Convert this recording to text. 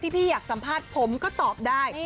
พี่อยากสัมภาษณ์ผมก็ตอบได้